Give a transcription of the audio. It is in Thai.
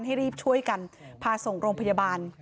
ให้รีบช่วยกันพาส่งโรงพยาบาล